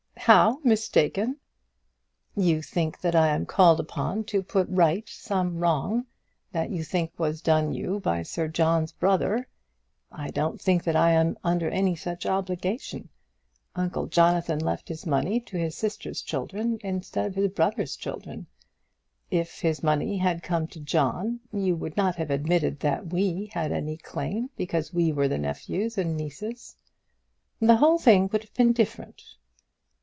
"How mistaken?" "You think that I am called upon to put right some wrong that you think was done you by Sir John's brother. I don't think that I am under any such obligation. Uncle Jonathan left his money to his sister's children instead of to his brother's children. If his money had come to John, you would not have admitted that we had any claim, because we were nephews and nieces." "The whole thing would have been different."